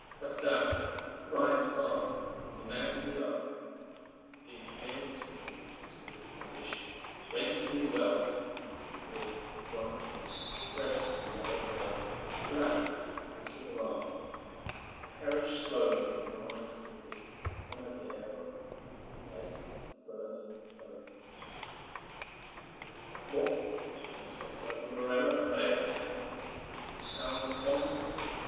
Castell, his bride's father, and the man he loved, had been haled to the vaults of the Inquisition, whence he knew well he would come forth but once more, dressed in a yellow robe "relaxed to the civil arm," to perish slowly in the fires of the Quemadero, the place of burning of heretics. What would his conquest over Morella avail if Heaven should give him power to conquer?